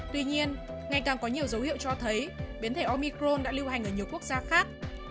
tuy nhiên ngày càng có nhiều dấu hiệu cho thấy biến thể omicron đã lưu hành ở nhiều quốc gia khác